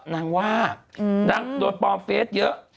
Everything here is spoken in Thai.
นางว่านางโดนปลอมเฟสเยอะ